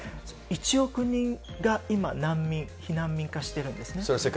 １億人が今、難民、避難民化しているんですね。